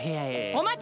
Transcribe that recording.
お待ち！